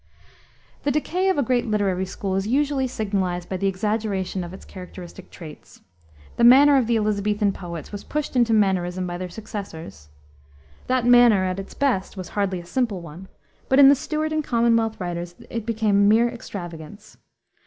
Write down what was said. The decay of a great literary school is usually signalized by the exaggeration of its characteristic traits. The manner of the Elisabethan poets was pushed into mannerism by their successors. That manner, at its best, was hardly a simple one, but in the Stuart and Commonwealth writers it became mere extravagance.